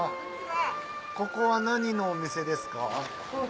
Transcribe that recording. ここは何のお店ですか？